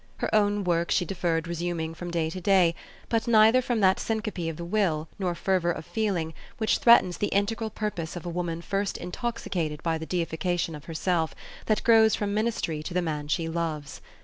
Her own work she deferred resuming from day to day, but neither from that syncope of the will, nor fever of feeling, which threatens the integral purpose of a woman first intoxicated by the deification of herself, that grows from ministry to the man she loves.